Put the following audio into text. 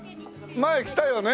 前来たよね？